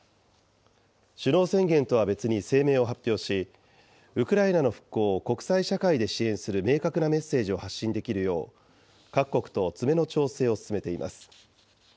首脳宣言とは別に声明を発表し、ウクライナの復興を国際社会で支援する明確なメッセージを発信できるよう、各国と詰めの調整を進めています。